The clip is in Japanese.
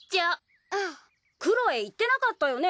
クロエ言ってなかったよね？